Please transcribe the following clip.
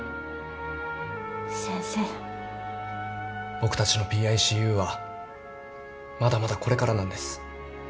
僕たちのＰＩＣＵはまだまだこれからなんです。